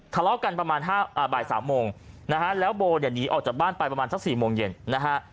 ทะเลาะกันประมาณบ่ายสามโมงนะฮะแล้วโบเนี่ยหนีออกจากบ้านไปประมาณสัก๔โมงเย็นนะฮะ